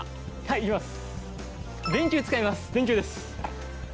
いきます。